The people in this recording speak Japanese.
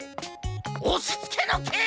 おしつけのけい！